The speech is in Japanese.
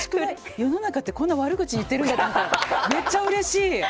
世の中ってこんな悪口言ってるんだと思ったらめっちゃうれしい！